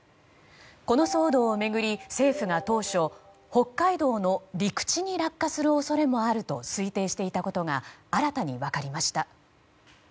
この騒動を巡り政府が当初、北海道の陸地に落下する恐れもあると推定していたことが新たに分かりました。